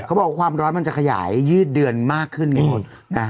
เขาบอกว่าความร้อนมันจะขยายยืดเดือนมากขึ้น